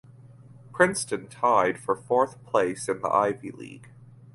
Princeton tied for fourth place in the Ivy League.